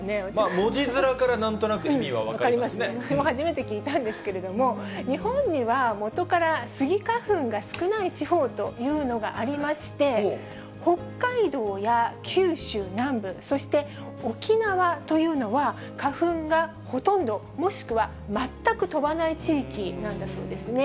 文字づらからなんとなく、私も初めて聞いたんですけれども、日本にはもとからスギ花粉が少ない地方というのがありまして、北海道や九州南部、そして、沖縄というのは花粉がほとんど、もしくは全く飛ばない地域なんだそうですね。